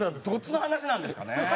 どっちの話なんですかね。